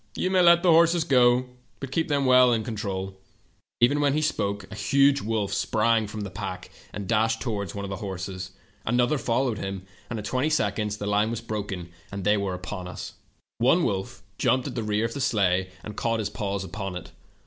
You may let the horses go, but keep them well in con trol.' "Even while he spoke a huge wolf sprang from the pack and dashed toward one of the horses. Another followed him, and in twenty seconds the line was broken and they were upon us. One THE TALKING HANDKERCHIEE. 166 jumped at the rear of the sleigh caught his paws upon it.